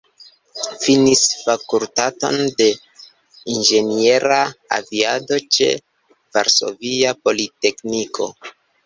Finis Fakultaton de Inĝeniera Aviado ĉe Varsovia Politekniko.